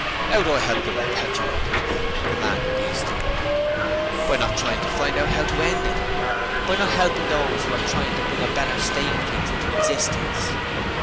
''Ow do I help to perpetuate it?' demanded Easton. 'By not trying to find out how to end it by not helping those who are trying to bring a better state of things into existence.